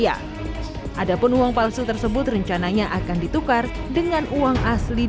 adapun uang palsu tersebut rencananya akan ditukar dengan uang asli beliau